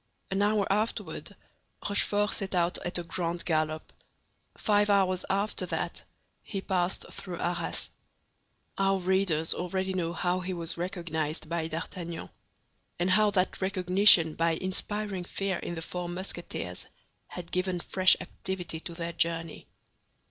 An hour afterward Rochefort set out at a grand gallop; five hours after that he passed through Arras. Our readers already know how he was recognized by D'Artagnan, and how that recognition by inspiring fear in the four Musketeers had given fresh activity to their journey.